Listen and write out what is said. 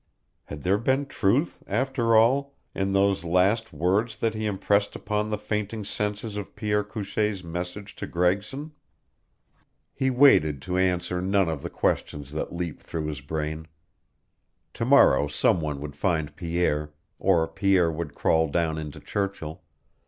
Had there been truth, after all, in those last words that he impressed upon the fainting senses of Pierre Couchee's message to Gregson? He waited to answer none of the questions that leaped through his brain. To morrow some one would find Pierre, or Pierre would crawl down into Churchill.